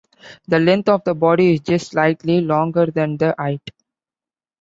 The length of the body is just slightly longer than the height.